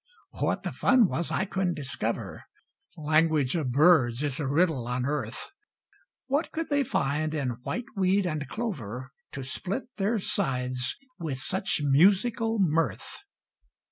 What the fun was I couldn't discover. Language of birds is a riddle on earth. What could they find in whiteweed and clover To split their sides with such musical mirth?